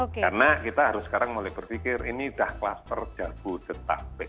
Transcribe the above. karena kita harus sekarang mulai berpikir ini dah kluster jabu detapek